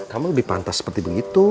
kamu lebih pantas seperti begitu